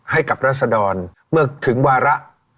ให้กับรัศดรเมื่อถึงวาระ